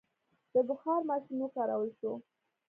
د بخار ماشین وکارول شو.